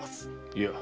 いや。